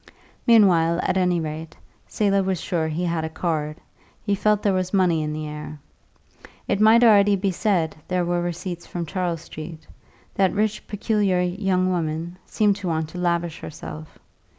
Meanwhile, at any rate, Selah was sure he had a card; he felt there was money in the air. It might already be said there were receipts from Charles Street; that rich, peculiar young woman seemed to want to lavish herself.